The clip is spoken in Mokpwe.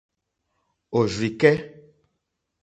Òrzì kɛ́.